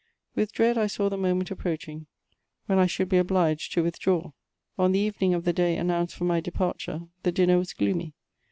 With dread I saw we moment approaching, when I should be obliged to withdraw. On the evening of the day announced for my departure, the dinner was gloomy.